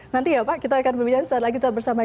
nanti ya pak kita akan berbicara saat lagi tetap bersama